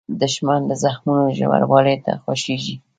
دښمن د زخمونو ژوروالۍ ته خوښیږي